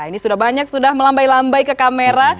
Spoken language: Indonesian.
ini sudah banyak sudah melambai lambai ke kamera